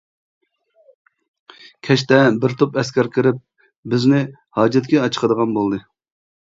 كەچتە بىر توپ ئەسكەر كىرىپ، بىزنى «ھاجەتكە» ئاچىقىدىغان بولدى.